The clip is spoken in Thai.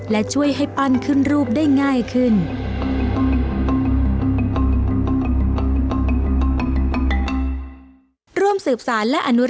และช่วยให้ปั้นขึ้นรูปได้ง่ายขึ้น